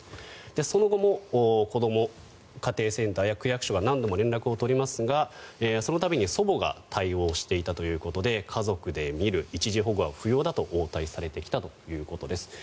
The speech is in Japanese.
その後もこども家庭センターや区役所が何度も連絡を取りますがその度に祖母が対応していたということで家族で見る、一時保護は不要だと応対されてきたということです。